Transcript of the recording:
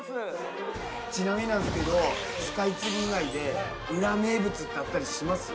ちなみになんですけどスカイツリー以外で裏名物ってあったりします？